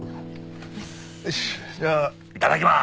よしじゃあいただきます。